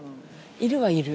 いるはいる。